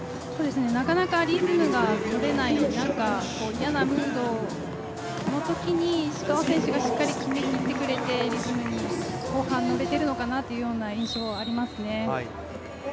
なかなかリズムが取れない中、嫌なムードのときに石川選手がしっきり決めきってくれてリズムに後半、乗れてるのかなという印象がありますね。